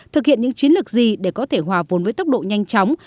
thực hiện những chiến lược gì để có thể hòa vốn với tốc độ nhanh chóng